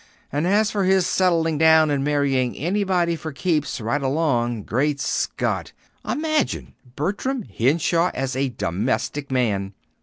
And as for his settling down and marrying anybody for keeps, right along Great Scott! imagine Bertram Henshaw as a domestic man!"